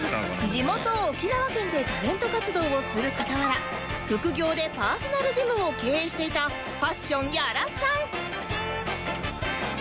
地元沖縄県でタレント活動をする傍ら副業でパーソナルジムを経営していたパッション屋良さん